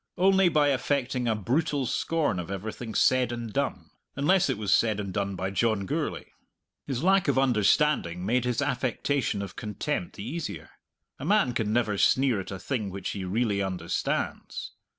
Only by affecting a brutal scorn of everything said and done unless it was said and done by John Gourlay. His lack of understanding made his affectation of contempt the easier. A man can never sneer at a thing which he really understands.